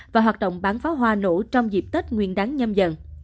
và hoạt động bán pháo hoa nổ trong dịp tết nguyên đáng nhâm dần